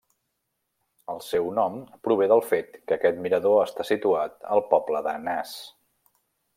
El seu nom prové del fet que aquest mirador està situat al poble de Nas.